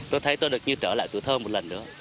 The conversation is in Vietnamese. tôi thấy tôi được như trở lại tuổi thơ một lần nữa